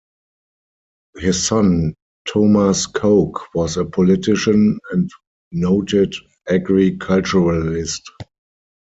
His son Thomas Coke was a politician and noted agriculturalist.